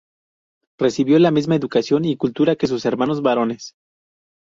Recibió la misma educación y cultura que sus hermanos varones.